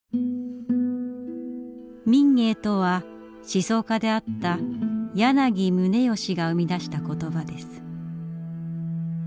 民藝とは思想家であった柳宗悦が生み出した言葉です。